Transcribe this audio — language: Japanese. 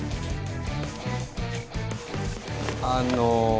あの。